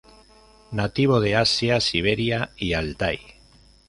Nativo de Asia, Siberia y Altái.